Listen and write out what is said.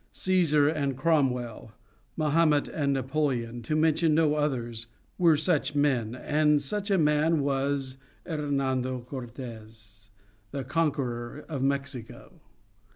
Cæsar and Cromwell, Mahomet and Napoleon, to mention no others, were such men, and such a man was Hernando Cortes, the conqueror of Mexico.